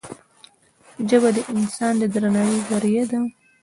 ژبه د انسان د درناوي زریعه ده